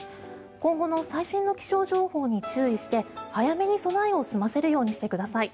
今後の最新の気象情報に注意して早めに備えを済ませるようにしてください。